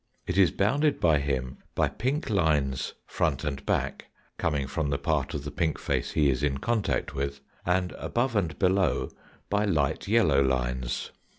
It is bounded by him by pink lines front and back, coming from the part of the pink face he is in contact with, and above and below, by light yellow lines.